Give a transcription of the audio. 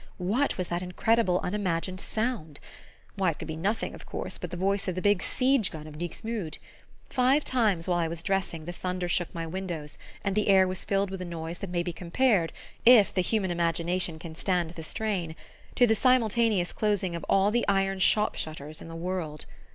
What was that incredible unimagined sound? Why, it could be nothing, of course, but the voice of the big siege gun of Dixmude! Five times, while I was dressing, the thunder shook my windows, and the air was filled with a noise that may be compared if the human imagination can stand the strain to the simultaneous closing of all the iron shop shutters in the world.